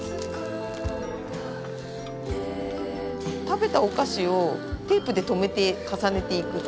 食べたお菓子をテープで留めて重ねていくっていう。